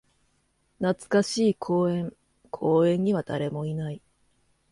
懐かしい公園。公園には誰もいない。